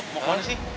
mau ke mana sih